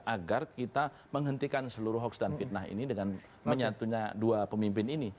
agar kita menghentikan seluruh hoaks dan fitnah ini dengan menyatunya dua pemimpin ini